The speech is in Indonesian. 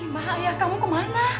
ima ayah kamu kemana